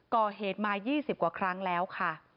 ก่อเหตุมา๒๐กว่าครั้งแล้วค่ะ